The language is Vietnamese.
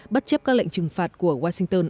bất chấp các lệnh trừng phạt của washington